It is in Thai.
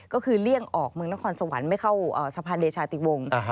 ก็คือเลี่ยงออกเมืองนครสวรรค์ไม่เข้าสะพานเดชาติวงศ์